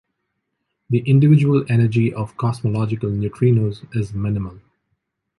The individual energy of cosmological neutrinos is minimal.